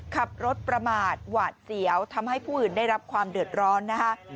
ขับรถประมาทหวาดเสียวทำให้ผู้อื่นได้รับความเดือดร้อนนะคะ